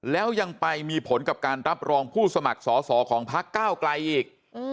แล้วยังไปมีผลกับการรับรองผู้สมัครสอสอของพักก้าวไกลอีก